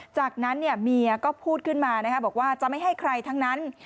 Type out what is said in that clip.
จากนั้นเมียก็พูดขึ้นมาบอกว่าจะไม่ให้ใครทั้งนั้น